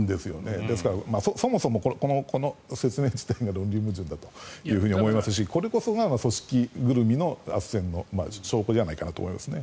ですから、そもそもこの説明自体が論理矛盾だと思いますしこれこそが組織ぐるみのあっせんの証拠じゃないかと思いますね。